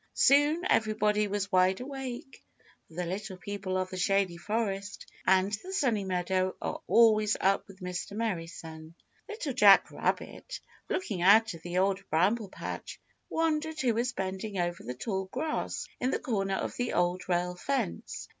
Soon everybody was wide awake, for the Little People of the Shady Forest and the Sunny Meadow are always up with Mr. Merry Sun. Little Jack Rabbit, looking out of the Old Bramble Patch, wondered who was bending over the tall grass in the corner of the Old Rail Fence.